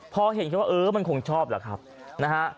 พอเห็นแค่ว่าเออมันคงชอบแหละครับนะฮะ